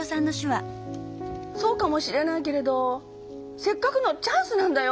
そうかもしれないけれどせっかくのチャンスなんだよ。